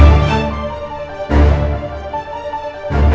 orang yang bersama ibu di pandora cafe